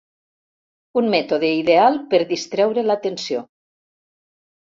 Un mètode ideal per distreure l'atenció.